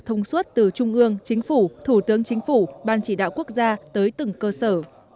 thông suốt từ trung ương chính phủ thủ tướng chính phủ ban chỉ đạo quốc gia tới từng cơ sở